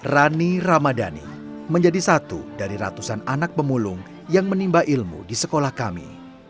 rani ramadhani menjadi satu dari ratusan anak pemulung yang menimba ilmu di sekolah kami